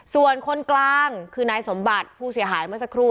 ส่วนคนกลางคือนายสมบัติผู้เสียหายเมื่อสักครู่